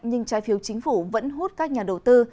nhưng trái phiếu chính phủ vẫn hút các nhà đầu tư